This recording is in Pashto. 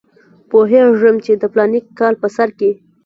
پوهېږم چې د فلاني کال په سر کې.